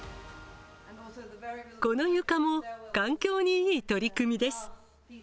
この床も、環境にいい取り組みです。